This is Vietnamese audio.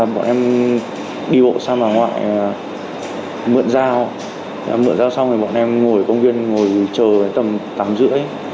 bọn em đi bộ sang bà ngoại mượn dao mượn dao xong thì bọn em ngồi ở công viên ngồi chờ tầm tám h ba mươi